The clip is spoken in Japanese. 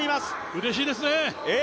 うれしいですね。